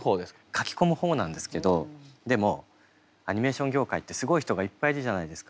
描き込む方なんですけどでもアニメーション業界ってすごい人がいっぱいいるじゃないですか。